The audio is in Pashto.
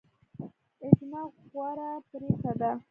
اجماع غوره پریکړه ده